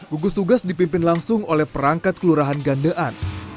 gugus tugas dipimpin langsung oleh perangkat kelurahan gandean